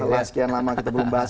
setelah sekian lama kita belum bahas